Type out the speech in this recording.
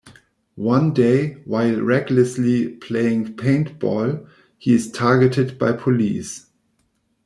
One day, while recklessly playing paintball, he is targeted by police.